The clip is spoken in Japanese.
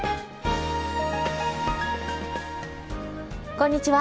こんにちは。